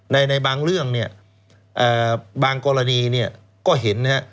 ในบางเรื่องเนี่ยบางกรณีเนี่ยก็เห็นนะฮะ